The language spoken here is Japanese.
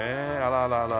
あらららら。